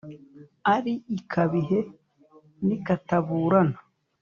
ari ikabihe n’ikataburana,